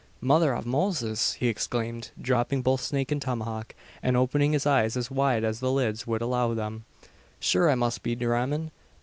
"Mother av Moses!" he exclaimed, dropping both snake and tomahawk, and opening his eyes as wide as the lids would allow them; "Shure I must be dhramin?